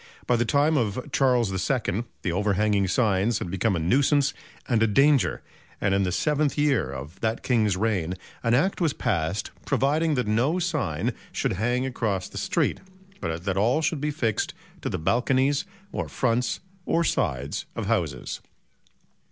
By the time of Charles II the overhanging signs had become a nuisance and a danger, and in the seventh year of that King's reign an Act was passed providing that no sign should hang across the street, but that all should be fixed to the balconies or fronts or sides of houses.